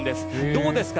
どうですか。